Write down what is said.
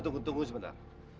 tunggu tunggu sebentar